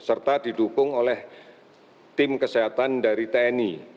serta didukung oleh tim kesehatan dari tni